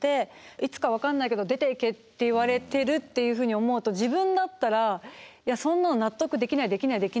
いつか分からないけど出ていけって言われてるというふうに思うと自分だったらいやそんなの納得できないできないできない。